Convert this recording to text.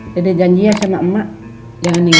padahal sudah senang semangat schl